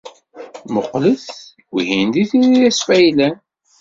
Mmuqqlet, wihin d Itri Asfaylan.